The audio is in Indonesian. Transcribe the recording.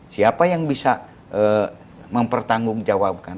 siapa yang bisa mempertanggungjawabkan